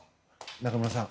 中室さん。